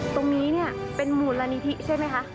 ตรงนี้เนี่ยเป็นมูลนิธิใช่ไหมคะ